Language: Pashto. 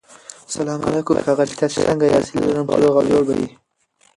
سلام علیکم ښاغلیه تاسو سنګه یاست هيله لرم چی روغ او جوړ به يي